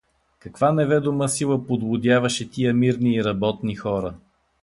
Каква неведома сила подлудяваше тия мирни и работни хора?